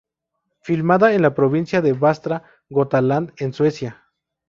Filmada en la Provincia de Västra Götaland, en Suecia.